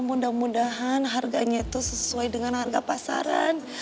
mudah mudahan harganya itu sesuai dengan harga pasaran